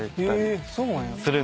へえそうなんや。